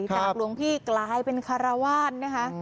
จากหลวงพี่กลายเป็นคารวาล